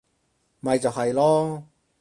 咪就係囉